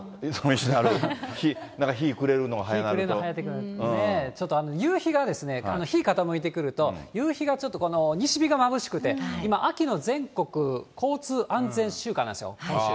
日暮れるのが早ちょっと夕日が、日傾いてくると、夕日がちょっと、西日がまぶしくて今、秋の全国交通安全週間なんですよ、今週。